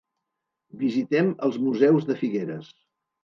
Visitem els museus de Figueres.